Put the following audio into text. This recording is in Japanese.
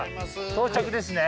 到着ですね。